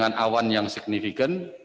arah awan pekat pensek